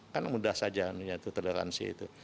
kan mudah saja ya itu toleransi itu